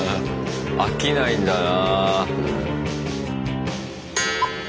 飽きないんだな。